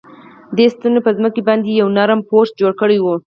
دې ستنو په ځمکه باندې یو نرم پوښ جوړ کړی و